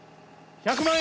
１００万円